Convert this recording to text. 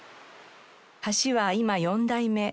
橋は今４代目。